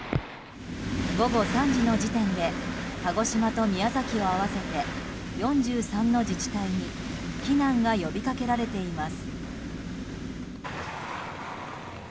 午後３時の時点で鹿児島と宮崎を合わせて４３の自治体に避難が呼びかけられています。